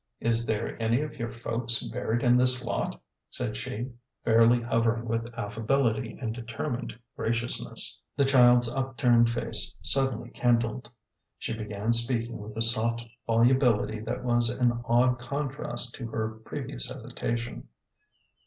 Is there any of your folks buried in this lot ?" said she, fairly hovering with affability and determined gra ciousness. The child's upturned face suddenly kindled. She began speaking with a soft volubility that was an odd contrast to her previous hesitation.